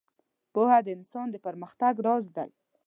• پوهه د انسان د پرمختګ راز دی.